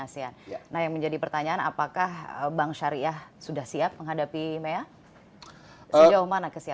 nah yang sekarang menjadi pertanyaan banyak orang juga adalah menghadapi tahun dua ribu lima belas nanti